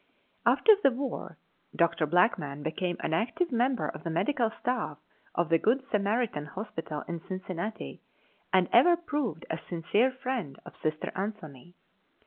After the war Dr. Blackman became an active member of the medical staff of the Good Samaritan Hospital in Cincinnati and ever proved a sincere friend of Sister Anthony.